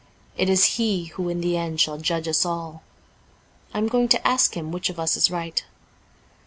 It is he who in the end shall judge us all. I am going to ask him which of us is right.'